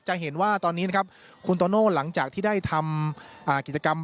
จะเห็นว่าตอนนี้นะครับคุณโตโน่หลังจากที่ได้ทำกิจกรรม